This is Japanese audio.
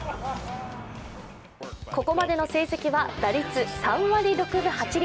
ここまでの成績は打率３割６分８厘。